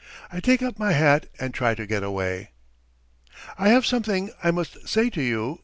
I take up my hat and try to get away. "I have something I must say to you!"